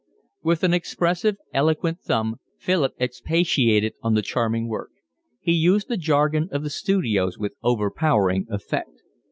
With an expressive, eloquent thumb Philip expatiated on the charming work. He used the jargon of the studios with overpowering effect.